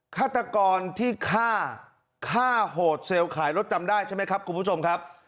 ฆาตกรที่ฆ่าฆ่าโหดเซลล์ขายรถจำได้ใช่ไหมครับคุณผู้ชมครับ